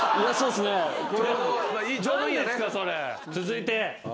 続いて。